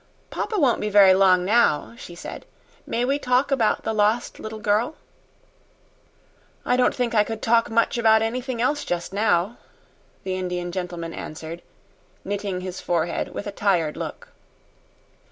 "Papa won't be very long now," she said. "May we talk about the lost little girl?" "I don't think I could talk much about anything else just now," the Indian gentleman answered, knitting his forehead with a tired look.